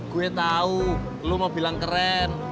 gue tau lo mau bilang keren